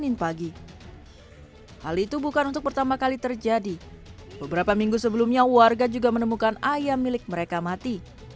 hal itu bukan untuk pertama kali terjadi beberapa minggu sebelumnya warga juga menemukan ayam milik mereka mati